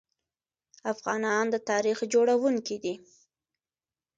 افغانان د تاریخ جوړونکي دي.